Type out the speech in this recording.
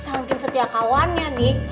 sangking setia kawannya nih